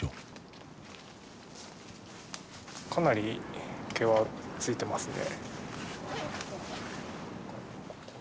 かなり毛はついてますね。